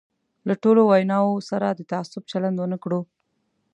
له ټولو ویناوو سره د تعصب چلند ونه کړو.